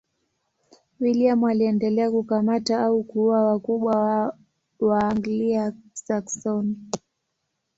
William aliendelea kukamata au kuua wakubwa wa Waanglia-Saksoni.